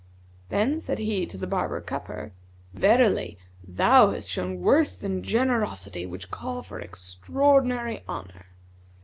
Then said he to the barber cupper, 'Verily, thou hast shown worth and generosity which call for extraordinary honour.'